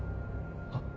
はっ？